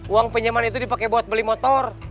uang pinjaman itu dipakai buat beli motor